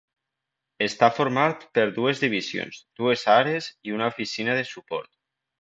Està format per dues divisions, dues àrees i una oficina de suport.